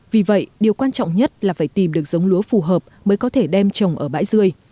vì vậy điều quan trọng nhất là phải tìm được giống lúa phù hợp mới có thể đem trồng ở bãi dươi